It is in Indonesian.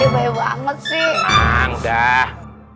banget sih udah